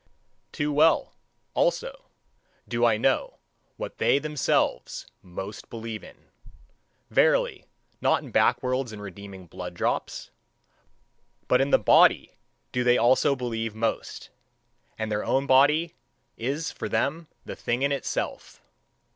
Too well, also, do I know what they themselves most believe in. Verily, not in backworlds and redeeming blood drops: but in the body do they also believe most; and their own body is for them the thing in itself.